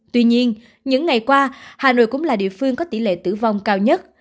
tuy nhiên những ngày qua hà nội cũng là địa phương có tỷ lệ tử vong cao nhất